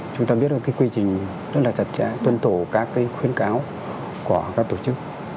chúng ta biết là cái quy trình rất là chặt chẽ tuân thủ các khuyến cáo của các tổ chức